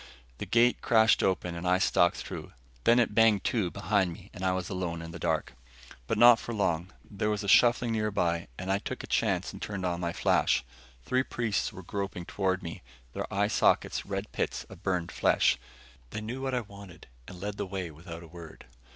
The gate crashed open and I stalked through; then it banged to behind me and I was alone in the dark. But not for long there was a shuffling nearby and I took a chance and turned on my flash. Three priests were groping toward me, their eye sockets red pits of burned flesh. They knew what I wanted and led the way without a word.